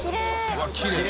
うわっきれい。